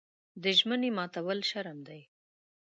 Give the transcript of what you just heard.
د ژمنې ماتول شرم دی.